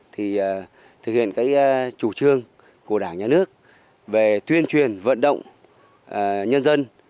thì thực hiện chủ trương của đảng nhân nước về tuyên truyền vận động nhân dân